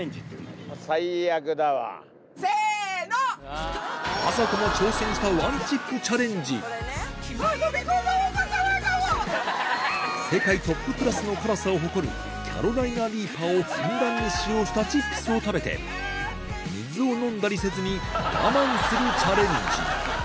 出川あさこも挑戦した世界トップクラスの辛さを誇るキャロライナリーパーをふんだんに使用したチップスを食べて水を飲んだりせずに我慢するチャレンジ